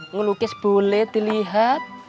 ngelukis boleh dilihat